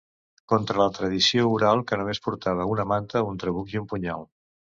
Conta la tradició oral que només portava una manta, un trabuc i un punyal.